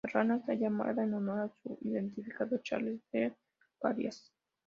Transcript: La rana está llamada en honor a su identificador, Charles Brewer-Carías.